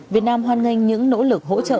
việt nam hoan nghênh những nỗ lực hỗ trợ